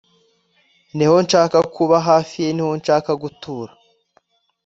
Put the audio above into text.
niho nshaka kuba hafi ye niho nshaka gutura